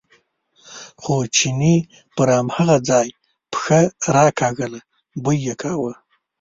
خو چیني پر هماغه ځای پښه راکاږله، بوی یې کاوه.